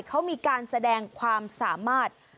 เขามีการแสดงความสามารถ